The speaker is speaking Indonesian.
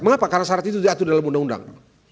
mengapa karena syarat itu diatur dalam undang undang